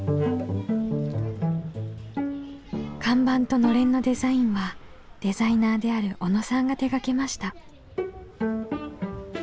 看板とのれんのデザインはデザイナーである小野さんが手がけました。